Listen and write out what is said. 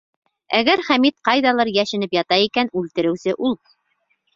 Әгәр Хәмит ҡайҙалыр йәшенеп ята икән, үлтереүсе ул!